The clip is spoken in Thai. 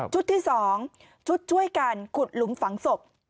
ที่๒ชุดช่วยกันขุดหลุมฝังศพ